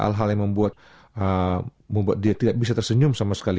hal hal yang membuat dia tidak bisa tersenyum sama sekali